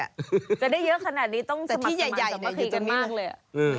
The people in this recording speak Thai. จะได้เยอะขนาดนี้ต้องสมัครสมาธิกันมากเลย